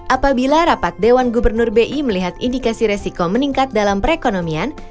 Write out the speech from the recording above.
apabila rapat dewan gubernur bi melihat indikasi resiko meningkat dalam perekonomian